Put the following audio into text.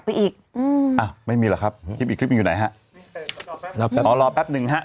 ไปอีกอ่าไม่มีหรอครับที่คิดว่าอยู่ไหนฮะอ๋อรอแปปนึงฮะ